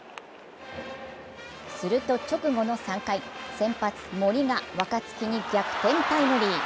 すると直後の３回、先発・森が若月に逆転タイムリー。